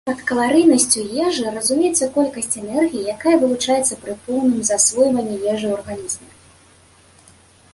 Пад каларыйнасцю ежы разумеецца колькасць энергіі, якая вылучаецца пры поўным засвойванні ежы ў арганізме.